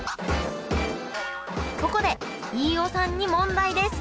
ここで飯尾さんに問題です！